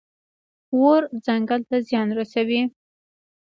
اور ځنګل ته زیان رسوي.